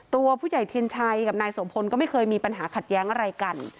ตัวผู้ใหญ่เทียนชัยกับนายสมพลก็ไม่เคยมีปัญหาขัดแย้งอะไรกัน